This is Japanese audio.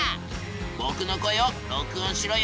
ぼくの声を録音しろよ！